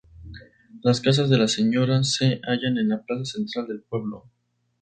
Las casas de la señoría se hallan en la plaza central del pueblo.